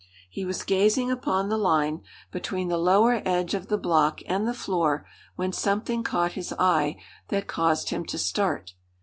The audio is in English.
He was gazing upon the line, between the lower edge of the block and the floor, when something caught his eye that caused him to start.